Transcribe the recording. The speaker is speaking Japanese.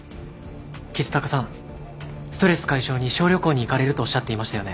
橘高さんストレス解消に小旅行に行かれるとおっしゃっていましたよね？